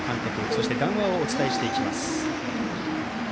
そして、談話をお伝えしていきます。